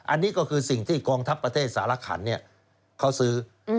อันนี้ก็คือสิ่งที่กองทัพประเทศสารขันเขาซื้อ